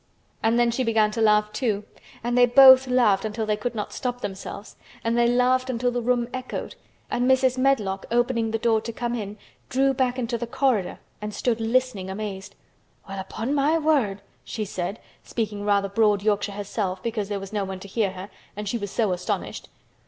And then she began to laugh too and they both laughed until they could not stop themselves and they laughed until the room echoed and Mrs. Medlock opening the door to come in drew back into the corridor and stood listening amazed. "Well, upon my word!" she said, speaking rather broad Yorkshire herself because there was no one to hear her and she was so astonished.